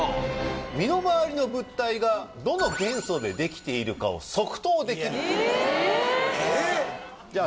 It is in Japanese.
身の回りの物体がどの元素でできているかを即答できるえ⁉えっ⁉じゃあ